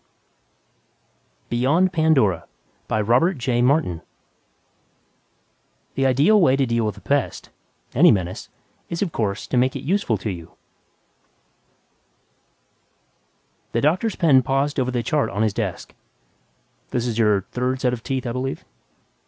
net Beyond Pandora The ideal way to deal with a pest any menace is, of course, to make it useful to you.... by Robert J. Martin The doctor's pen paused over the chart on his desk, "This is your third set of teeth, I believe?"